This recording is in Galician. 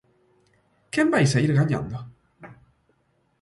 ¿Quen vai saír gañando?